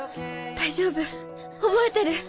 大丈夫覚えてる。